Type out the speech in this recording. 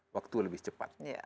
waktu lebih cepat